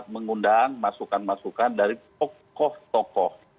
mengundang masukan masukan dari tokoh tokoh